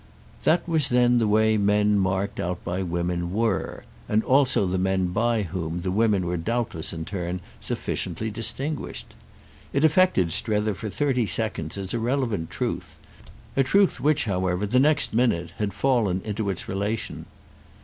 That was then the way men marked out by women were—and also the men by whom the women were doubtless in turn sufficiently distinguished. It affected Strether for thirty seconds as a relevant truth, a truth which, however, the next minute, had fallen into its relation.